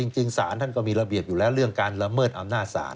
สารท่านก็มีระเบียบอยู่แล้วเรื่องการละเมิดอำนาจศาล